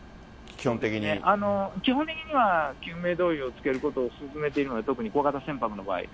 基本的には、救命胴衣を着けることを勧めているので、特に小型船舶の場合。